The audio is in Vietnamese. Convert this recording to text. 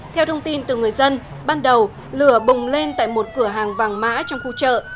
theo thông tin từ người dân ban đầu lửa bùng lên tại một cửa hàng vàng mã trong khu chợ